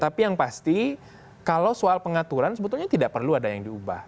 tapi yang pasti kalau soal pengaturan sebetulnya tidak perlu ada yang diubah